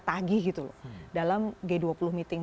tagi gitu dalam g dua puluh meeting